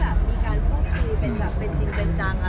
แต่ว่าด้วยความที่เราเข้าใจว่า